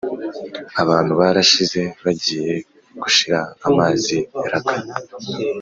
Abantu barashize, bagiye gushira, amazi yarakamye,